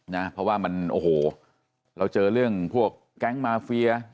นะเพราะว่ามันโอ้โหเราเจอเรื่องพวกแก๊งมาเฟีย